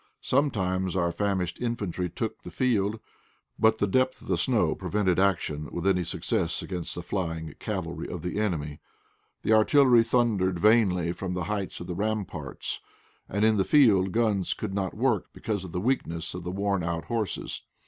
Sometimes our famished infantry took the field, but the depth of the snow prevented action with any success against the flying cavalry of the enemy. The artillery thundered vainly from the height of the ramparts, and in the field guns could not work because of the weakness of the worn out horses.